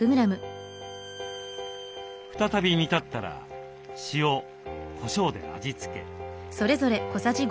再び煮立ったら塩こしょうで味付け。